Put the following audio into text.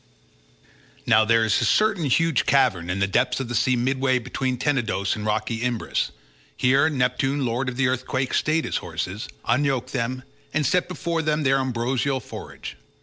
Now there is a certain huge cavern in the depths of the sea midway between Tenedos and rocky Imbrus; here Neptune lord of the earthquake stayed his horses, unyoked them, and set before them their ambrosial forage.